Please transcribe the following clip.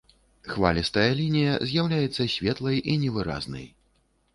Хвалістая лінія з'яўляецца светлай і невыразнай.